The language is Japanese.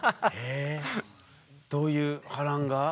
えっどういう波乱が？